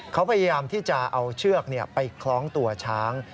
เขาพยายามที่จะเอาเชือกไปคล้องตัวช้าง